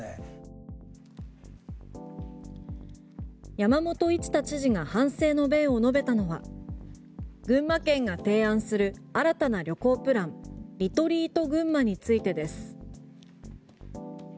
山本一太知事が反省の弁を述べたのは群馬県が提案する新たな旅行プランリトリートぐんまについてです。